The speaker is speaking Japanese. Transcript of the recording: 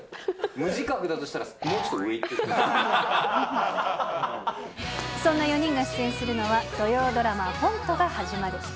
無自覚だとしたら、そんな４人が出演するのは、土曜ドラマ、コントが始まる。